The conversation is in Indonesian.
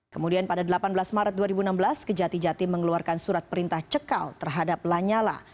kemudian pada delapan belas maret dua ribu enam belas kejati jatim mengeluarkan surat perintah cekal terhadap lanyala